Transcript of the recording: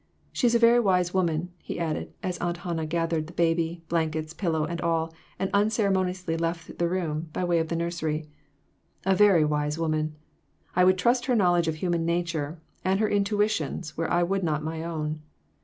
She is a very wise woman," he added, as Aunt Hannah gathered the baby, blankets pillows, and all, and unceremoniously left the room, by way of the nursery. "A very wise woman. I would trust her knowledge of human nature, and her intuitions, where I would not my own."